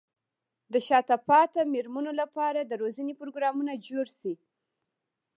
د شاته پاتې مېرمنو لپاره د روزنې پروګرامونه جوړ شي.